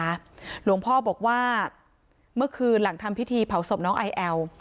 หลวงพ่อบอกว่าเมื่อคืนหลังทำพิธีเผาศพน้องไอแอล